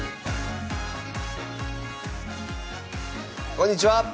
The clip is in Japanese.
こんにちは。